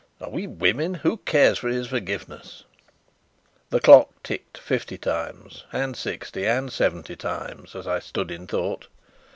"Are we women? Who cares for his forgiveness?" The clock ticked fifty times, and sixty and seventy times, as I stood in thought.